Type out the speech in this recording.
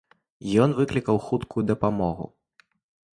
Ён выклікаў хуткую дапамогу.